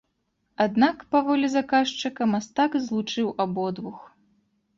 Аднак, па волі заказчыка, мастак злучыў абодвух.